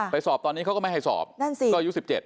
ไปสอบตอนนี้เขาก็ไม่ให้สอบต้องอายุ๑๗ปี